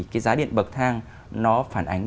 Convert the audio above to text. cái giá điện bậc thang nó phản ánh